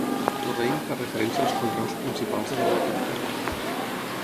El raïm fa referència als conreus principals de la localitat.